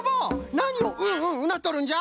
なにをうんうんうなっとるんじゃ？